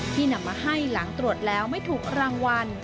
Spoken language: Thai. นำมาให้หลังตรวจแล้วไม่ถูกรางวัล